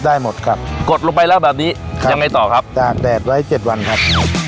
หมดครับกดลงไปแล้วแบบนี้ยังไงต่อครับตากแดดไว้๗วันครับ